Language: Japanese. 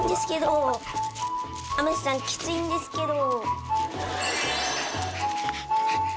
翠雨さんきついんですけど。